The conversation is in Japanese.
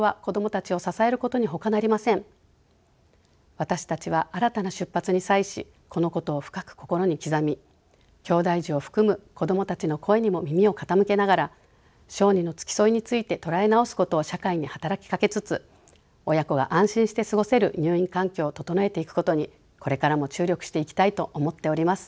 私たちは新たな出発に際しこのことを深く心に刻みきょうだい児を含む子どもたちの声にも耳を傾けながら小児の付き添いについて捉え直すことを社会に働きかけつつ親子が安心して過ごせる入院環境を整えていくことにこれからも注力していきたいと思っております。